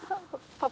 パパ？